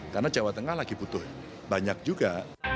karena jawa tengah lagi butuhnya banyak juga